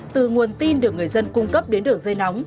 từ nguồn tin được người dân cung cấp đến đường dây nóng